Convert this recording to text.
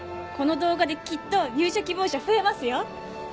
この動画できっと入社希望者増えますよ。